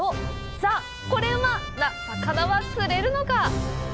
さあ、コレうまな魚は釣れるのか！？